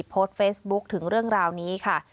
โพสต์เฟซบุ๊คถึงเรื่องราวนี้ค่ะ